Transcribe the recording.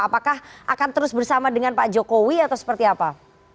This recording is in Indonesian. apakah akan terus bersama dengan pak jokowi atau seperti apa